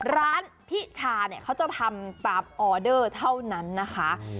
ร้านพิชาเนี่ยเขาจะทำตามออเดอร์เท่านั้นนะคะ